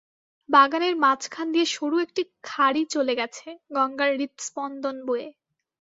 বাগানের মাঝখান দিয়ে সরু একটি খাড়ি চলে গেছে, গঙ্গার হৃৎস্পন্দন বয়ে।